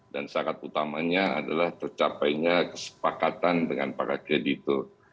dan syarat utamanya adalah tercapainya kesepakatan dengan para kreditur